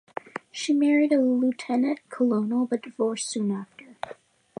She married a lieutenant-colonel but divorced soon after.